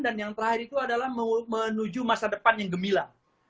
dan yang terakhir itu adalah menuju masa depan yang gemila